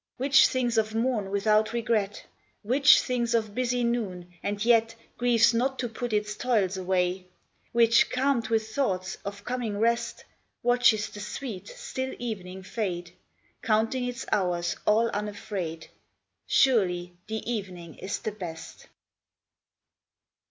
Which thinks of morn without regret ; Which thinks of busy noon, and yet Grieves not to put its toils away ; Which, calmed with thoughts of coming rest, Watches the sweet, still evening fade, Counting its hours all unafraid, Surely the evening is the best.